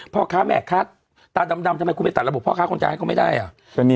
พ่อค้าแม่ค้าตาดำทำไมคุณไปตัดระบบพ่อค้าคนจ่ายให้เขาไม่ได้อ่ะ